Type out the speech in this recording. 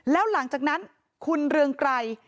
แล้วหลังจากนั้นคุณเรืองไกร